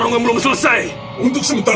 jadi kita harus melakukan seseorang untuk menyuruh